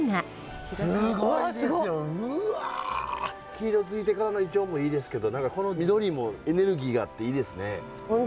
黄色づいてからのイチョウもいいですけど何かこの緑もエネルギーがあっていいですね。